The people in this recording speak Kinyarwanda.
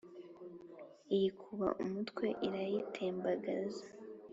Iyikuba umutwe irayitembagaza